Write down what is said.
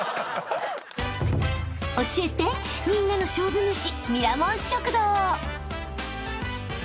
［教えてみんなの勝負めし］